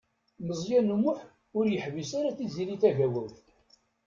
Meẓyan U Muḥ ur yeḥbis ara Tiziri Tagawawt.